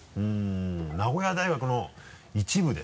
名古屋大学の一部で。